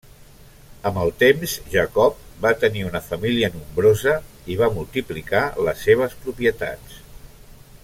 Amb el temps, Jacob va tenir una família nombrosa i va multiplicar les seves propietats.